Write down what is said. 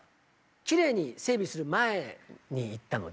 きれいに整備する前に行ったので。